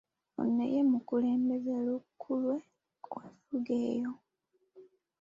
Ono ye mukulembeze lukulwe ow'enfuga eyo.